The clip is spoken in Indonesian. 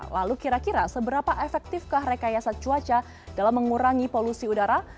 lalu kira kira seberapa efektifkah rekayasa cuaca dalam mengurangi polusi udara